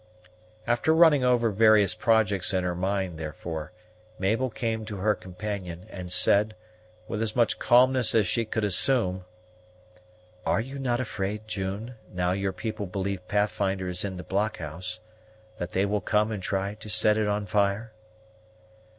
After running over various projects in her mind, therefore, Mabel came to her companion, and said, with as much calmness as she could assume, "Are you not afraid, June, now your people believe Pathfinder is in the blockhouse, that they will come and try to set it on fire?"